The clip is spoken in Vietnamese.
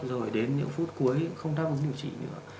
rồi đến những phút cuối không đáp ứng điều trị nữa